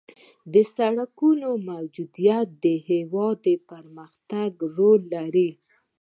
د سرکونو موجودیت د هېواد په پرمختګ کې رول لري